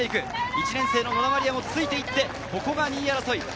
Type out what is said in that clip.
１年生の野田真理耶もついていって、ここが２位争い。